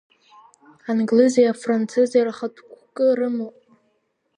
Англызи афранцызи рхатә қәкы рымоуп.